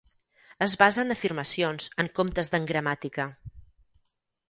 Es basa en afirmacions en comptes d'en gramàtica.